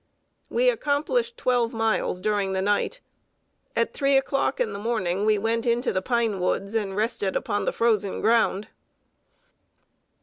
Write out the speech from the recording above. We accomplished twelve miles during the night. At three o'clock in the morning we went into the pine woods, and rested upon the frozen ground.